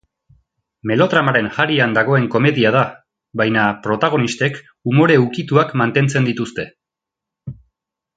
Melodramaren harian dagoen komedia da, baina protagonistek umore ukituak mantentzen dituzte.